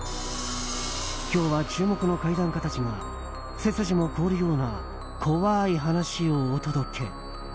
今日は、注目の怪談家たちが背筋も凍るような怖い話をお届け。